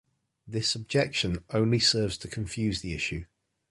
This objection only serves to confuse the issue.